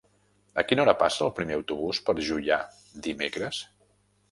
A quina hora passa el primer autobús per Juià dimecres?